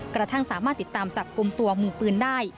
กระทั่งสามารถติดตามจับกลุ่มตัวมือปืนได้